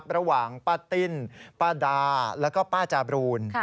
ระหว่างปติ้นปดาและก็ปจบรูล